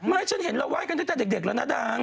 ฉันเห็นเราไห้กันตั้งแต่เด็กแล้วนะดัง